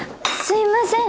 すいません。